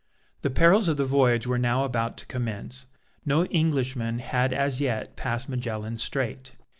The perils of the voyage were now about to commence. No Englishman had as yet passed Magellan's Strait.